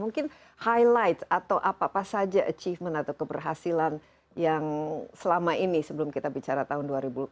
mungkin highlight atau apa apa saja achievement atau keberhasilan yang selama ini sebelum kita bicara tahun dua ribu empat belas